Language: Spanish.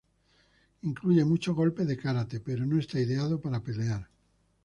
Incluye muchos golpes de karate, pero no está ideado para pelear.